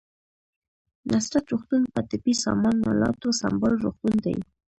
نصرت روغتون په طبي سامان الاتو سمبال روغتون دی